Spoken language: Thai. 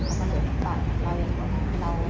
แล้วมันก็เลยกำลัวไปห้ามแล้วมันก็เลยกำลัวไปห้าม